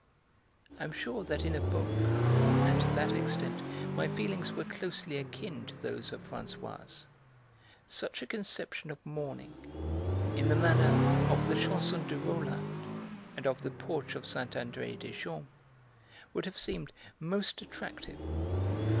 I am sure that in a book and to that extent my feelings were closely akin to those of Françoise such a conception of mourning, in the manner of the Chanson de Roland and of the porch of Saint André des Champs, would have seemed most attractive.